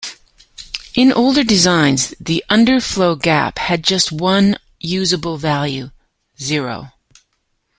In older designs, the underflow gap had just one usable value, zero.